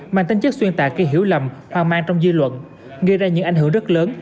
mang tính chất xuyên tạc gây hiểu lầm hoang mang trong dư luận gây ra những ảnh hưởng rất lớn